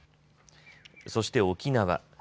そして沖縄。